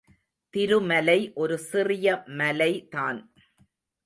திருமலை ஒரு சிறிய மலை தான்.